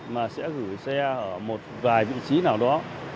mà sẽ gửi xe ở một vài vị trí nào đó